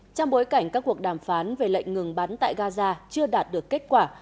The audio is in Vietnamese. trong bối cảnh các cuộc đàm phán về lệnh ngừng bắn tại gaza chưa đạt được kết quả